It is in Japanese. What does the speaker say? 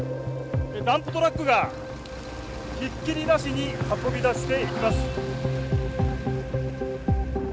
ダンプトラックがひっきりなしに運び出していきます。